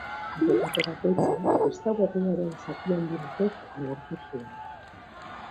Haietako bakoitza kristau herriaren zati handi batek onartu zuen.